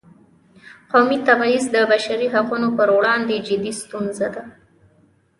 قومي تبعیض د بشري حقونو پر وړاندې جدي ستونزه ده.